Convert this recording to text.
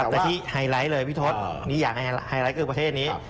แต่ที่ไฮไลท์เลยพี่ทศอยากไฮไลท์กับประเทศนี้